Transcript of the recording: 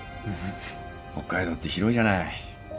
北海道って広いじゃない。